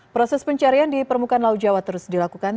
proses pencarian di permukaan laut jawa terus dilakukan